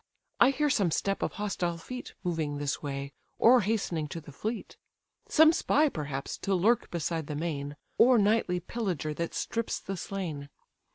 I hear some step of hostile feet, Moving this way, or hastening to the fleet; Some spy, perhaps, to lurk beside the main; Or nightly pillager that strips the slain.